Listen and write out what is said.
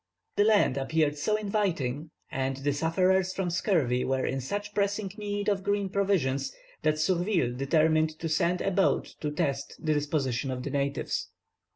The land appeared so inviting, and the sufferers from scurvy were in such pressing need of green provisions, that Surville determined to send a boat to test the disposition of the natives.